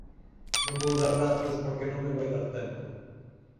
Non vou dar datos porque non me vai dar tempo.